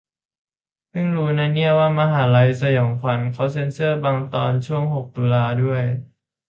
เพิ่งรู้นะเนี่ยว่าในมหา'ลัยสยองขวัญเค้าเซ็นเซอร์บางตอนช่วงหกตุลาด้วย